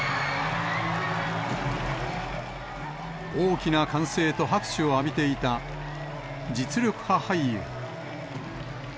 大きな歓声と拍手を浴びていた実力派俳優。